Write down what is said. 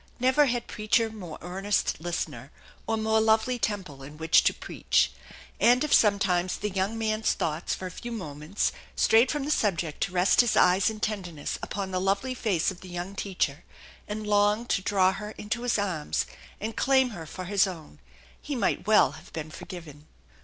Never had preacher more earnest listener, or more lovely temple in which to preach. And if sometimes the young man's thoughts for a few moments strayed from the subject to rest his eyes in tenderness upon the lovely face of the young teacher, and long to draw her into his arms and claim her for his own, he might well have been forgiven.